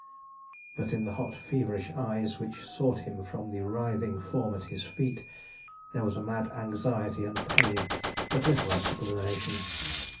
But in the hot, feverish eyes which sought him from the writhing form at his feet, there was mad anxiety and pain, but little explanation.